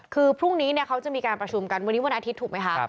คือพรุ่งนี้เขาจะมีการประชุมกันวันนี้วันอาทิตย์ถูกไหมคะ